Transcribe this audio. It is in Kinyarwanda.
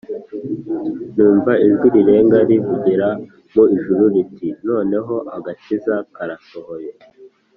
Numva ijwi rirenga rivugira mu ijuru riti “Noneho agakiza karasohoye,